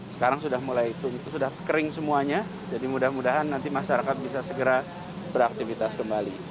sekarang sudah mulai tumbuh sudah kering semuanya jadi mudah mudahan nanti masyarakat bisa segera beraktivitas kembali